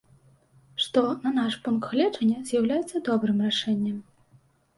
Што, на наш пункт гледжання, з'яўляецца добрым рашэннем.